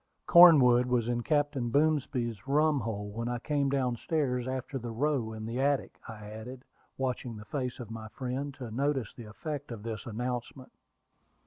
"Cornwood was in Captain Boomsby's rumhole when I came down stairs after the row in the attic," I added, watching the face of my friend to notice the effect of this announcement.